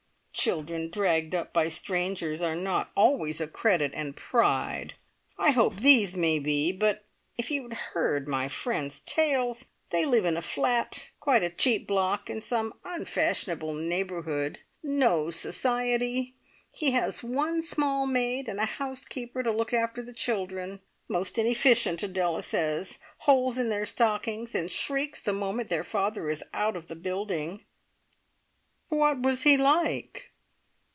"Children dragged up by strangers are not always a credit and pride. I hope these may be, but If you'd heard my friend's tales! They live in a flat. Quite a cheap block in some unfashionable neighbourhood. No society. He has one small maid and a housekeeper to look after the children. Most inefficient, Adela says. Holes in their stockings, and shrieks the moment their father is out of the building!" "What was he like?"